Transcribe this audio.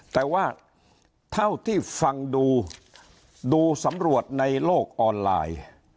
แต่ว่าเท่าที่ฟังดูดูสำรวจในโลกออนไลน์